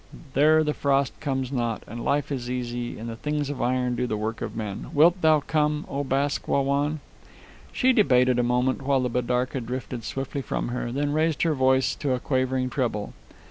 There the frost comes not, and life is easy, and the things of iron do the work of men. Wilt thou come, O Bask Wah Wan?" She debated a moment, while the bidarka drifted swiftly from her, then raised her voice to a quavering treble.